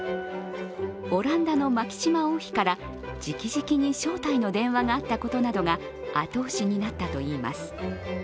オランダのマキシマ王妃からじきじきに招待の電話があったことなどが後押しになったといいます。